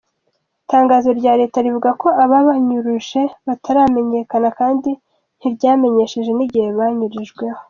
Itangazo rya leta rivuga ko ababanyuruje bataramenyekana kandi ntiryamenyesheje n'igihe banyururijweko.